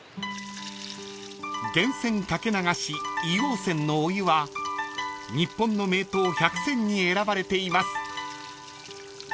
［源泉掛け流し硫黄泉のお湯は日本の名湯百選に選ばれています］